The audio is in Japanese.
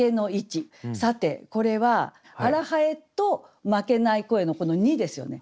さてこれは「荒南風」と「負けない声」のこの「に」ですよね。